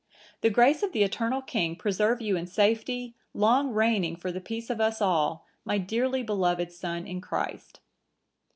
The grace of the eternal King preserve you in safety, long reigning for the peace of us all, my dearly beloved son in Christ."